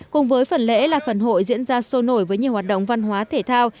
cùng với phần lễ là phần hội diễn ra sôi nổi với nhiều hoạt động văn hóa thể thao